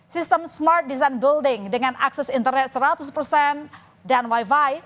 sistem smart design building dengan akses internet seratus persen dan wifi